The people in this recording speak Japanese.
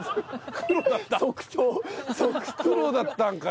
黒だったんかい。